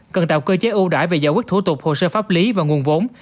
cần tạo cơ chế ưu đại về giải quyết thủ tục hồ sơ pháp lý và nguồn vốn